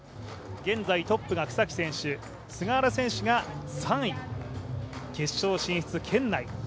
現在トップが草木選手、菅原選手が３位、決勝進出圏内。